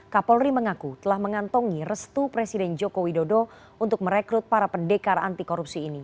kapolri mengaku telah mengantongi restu presiden joko widodo untuk merekrut para pendekar anti korupsi ini